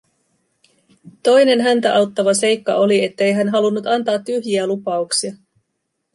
Toinen häntä auttava seikka oli, ettei hän halunnut antaa tyhjiä lupauksia.